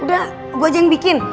udah gue aja yang bikin